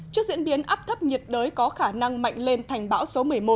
trước diễn biến áp thấp nhiệt đới có khả năng mạnh lên thành bão số một mươi một